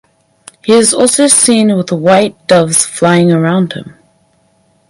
He is also seen with white doves flying around him.